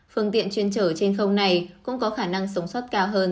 phương tiện chuyên chở trên không này cũng có khả năng sống sót cao hơn